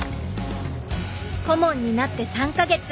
顧問になって３か月。